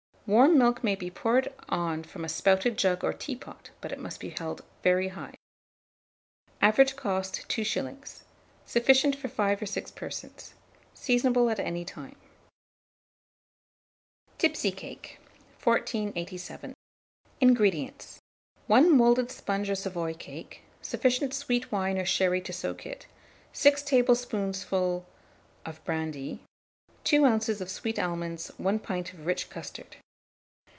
Warm milk may be poured on from a spouted jug or teapot; but it must be held very high. Average cost, 2s. Sufficient for 5 or 6 persons. Seasonable at any time. TIPSY CAKE. 1487. INGREDIENTS. 1 moulded sponge or Savoy cake, sufficient sweet wine or sherry to soak it, 6 tablespoonfuls of brandy, 2 oz. of sweet almonds, 1 pint of rich custard.